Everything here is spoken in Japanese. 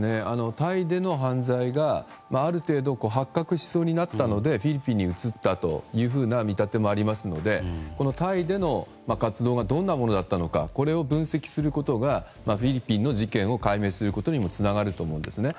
タイでの犯罪が、ある程度発覚しそうになったのでフィリピンに移ったという見立てもありますのでタイでの活動がどんなものだったのかこれを分析することがフィリピンの事件を解明することにもつながると思うんですね。